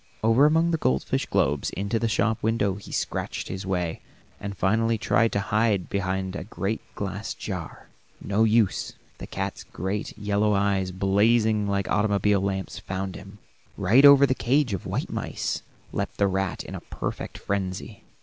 Over among the goldfish globes into the shop window he scratched his way, and finally tried to hide behind a great glass jar. No use; the cat's great, yellow eyes, blazing like automobile lamps, found him. Right over the cage of white mice leaped the rat in a perfect frenzy.